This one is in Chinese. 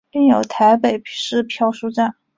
另有台北市漂书站。